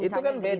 nah itu kan beda